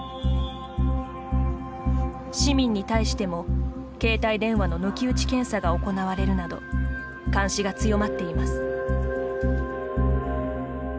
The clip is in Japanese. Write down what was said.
市民に対しても携帯電話の抜き打ち検査が行われるなど監視が強まっています。